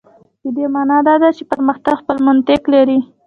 د دې معنا دا ده چې پرمختګ خپل منطق لري.